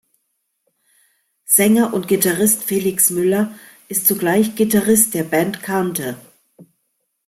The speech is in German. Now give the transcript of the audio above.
Sänger und Gitarrist Felix Müller ist zugleich Gitarrist der Band Kante.